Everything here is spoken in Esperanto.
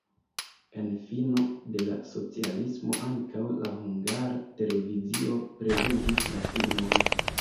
En fino de la socialismo ankaŭ la Hungara Televizio prezentis la filmon.